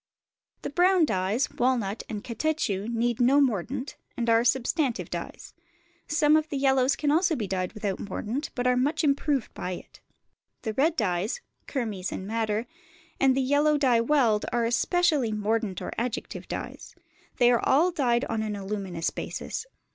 The brown dyes, walnut and catechu, need no mordant, and are substantive dyes; some of the yellows also can be dyed without mordant, but are much improved by it. The red dyes, kermes and madder, and the yellow dye weld, are especially mordant or adjective dyes: they are all dyed on an aluminous basis.